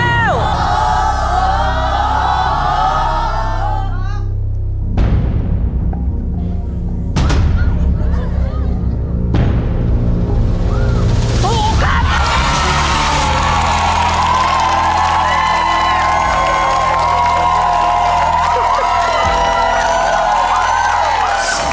ถูกครับ